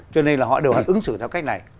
cho nên là họ đều phải ứng xử theo cách này